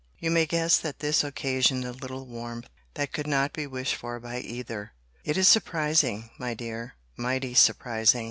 You may guess, that this occasioned a little warmth, that could not be wished for by either. [It is surprising, my dear, mighty surprising!